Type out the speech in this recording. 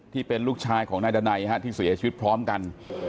ที่เป็นลูกชายของนายดันัยที่เสียชีวิตพร้อมกัน